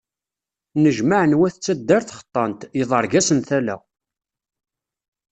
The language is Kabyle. Nnejmaɛen wat n taddert xeṭṭan-t, yeḍreg-asen tala.